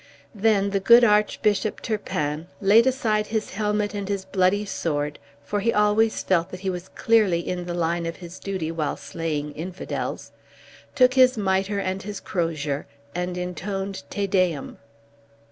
Then the good Archbishop Turpin laid aside his helmet and his bloody sword (for he always felt that he was clearly in the line of his duty while slaying Infidels), took his mitre and his crosier, and intoned Te Deum.